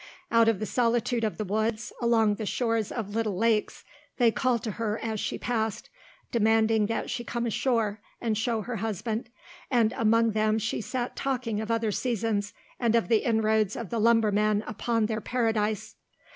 Out of the solitude of the woods, along the shores of little lakes, they called to her as she passed, demanding that she come ashore and show her husband, and among them she sat talking of other seasons and of the inroads of the lumber men upon their paradise.